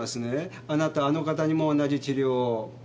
あなたあの方にも同じ治療を。